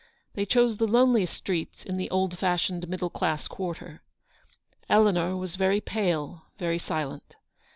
They chose the loneliest streets in the old fashioned middle class quarter. Eleanor was very pale, very silent.